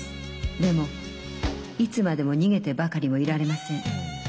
でもいつまでも逃げてばかりもいられません。